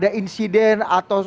banyak sekali kita mengetahui itu